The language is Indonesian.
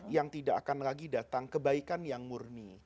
yang tidak akan lagi datang kebaikan yang murni